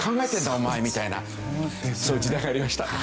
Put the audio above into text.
お前」みたいなそういう時代がありました。